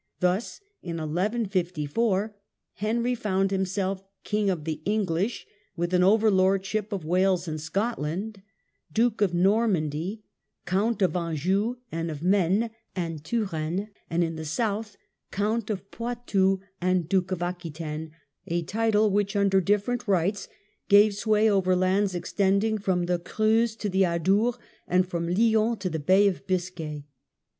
Thus in 1154 Henry found himself king of the English, with an overlordship of Wales and Scotland, Duke of Normandy, Count of Anjou and of Maine and Touraine, and in the south Count of Poitou and Duke of Aquitaine, a title which, under different rights, gave sway oyer lands extending from the Creuse to the Adour, and from Lyons to the Bay of Biscay.